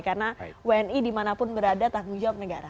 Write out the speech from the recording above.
karena wni dimanapun berada tanggung jawab negara